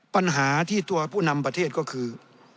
ปัญหาที่ตัวผู้นำประเทศก็คือ